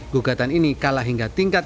gugatan ini kalah hingga tingkat